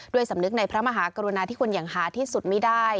สำนึกในพระมหากรุณาที่คุณอย่างหาที่สุดไม่ได้